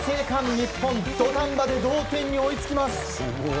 日本、土壇場で同点に追いつきます。